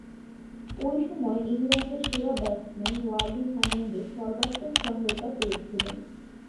ঐ সময়ে ইংল্যান্ডের সেরা ব্যাটসম্যান ওয়ালি হ্যামন্ডের সর্বাত্মক সহায়তা পেয়েছিলেন।